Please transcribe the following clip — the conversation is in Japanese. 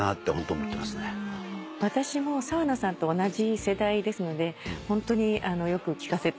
私も澤野さんと同じ世代ですのでホントによく聴かせていただいて。